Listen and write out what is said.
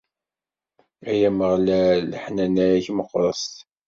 Ay Ameɣlal, leḥnana-k meqqret!